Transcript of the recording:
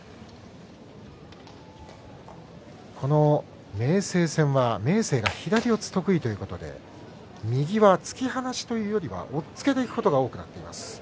この明生戦は明生が左四つ得意ということで右が突き放しというよりは押っつけでいくことが多くなっています。